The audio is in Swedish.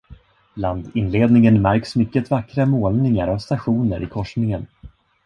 Bland inledningen märks mycket vackra målningar av stationer i korsningen.